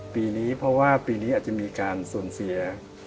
ปีนี้เพราะว่าปีนี้อาจจะมีการสูญเสีย